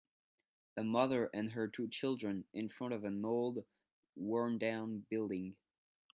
A mother and her two children in front of an old worndown building